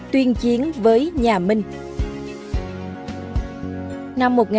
tuyên chiến với nhà minh